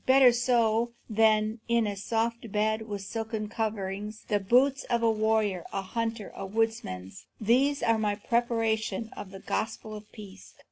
Better so than in a soft bed with silken coverings. The boots of a warrior, a hunter, a woodsman, these are my preparation of the gospel of peace."